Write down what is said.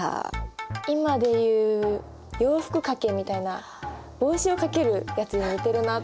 今でいう洋服掛けみたいな帽子を掛けるやつに似てるなと思って。